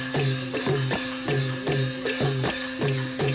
เกาะติดทั่วไทย